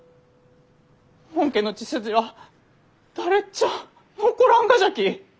本家の血筋は誰ちゃあ残らんがじゃき。